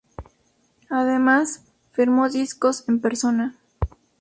Además, firmó discos en persona.